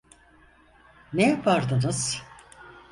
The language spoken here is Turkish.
Ne yapardınız?